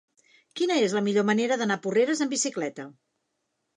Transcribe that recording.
Quina és la millor manera d'anar a Porreres amb bicicleta?